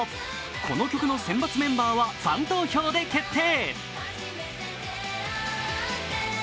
この曲の選抜メンバーはファン投票で決定。